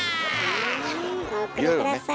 はいお送り下さい。